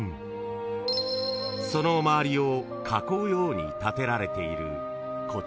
［その周りを囲うように建てられているこちらの塀］